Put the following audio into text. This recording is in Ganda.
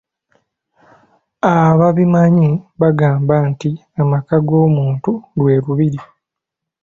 Ababimanyi bagamba nti amaka g‘omuntu lwe Lubiri.